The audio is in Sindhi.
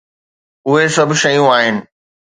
اهي سڀ شيون آهن.